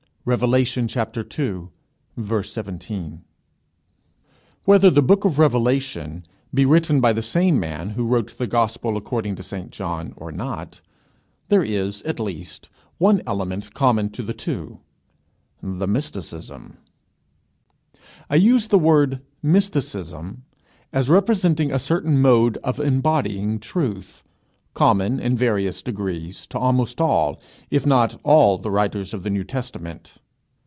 REV. ii. 17._ Whether the Book of the Revelation be written by the same man who wrote the Gospel according to St John or not, there is, at least, one element common to the two the mysticism. I use the word mysticism as representing a certain mode of embodying truth, common, in various degrees, to almost all, if not all, the writers of the New Testament.